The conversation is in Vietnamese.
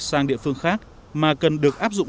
sang địa phương khác mà cần được áp dụng